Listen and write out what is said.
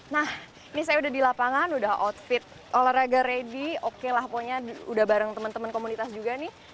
nah ini saya sudah di lapangan sudah outfit olahraga ready oke lah pokoknya sudah bareng teman teman komunitas juga nih